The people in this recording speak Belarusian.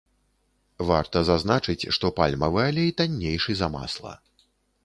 Варта зазначыць, што пальмавы алей таннейшы за масла.